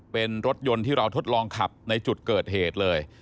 เป็นรถยนต์ที่เราทดลองขับในจุดเกิดเหตุเลย